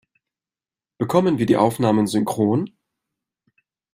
Bekommen wir die Aufnahmen synchron?